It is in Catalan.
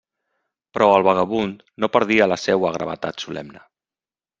Però el vagabund no perdia la seua gravetat solemne.